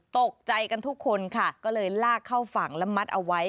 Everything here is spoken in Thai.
ตกใจกันทุกคนค่ะก็เลยลากเข้าฝั่งและมัดเอาไว้